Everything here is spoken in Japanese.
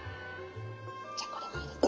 じゃこれも入れて。